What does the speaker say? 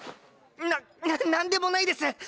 なななんでもないです！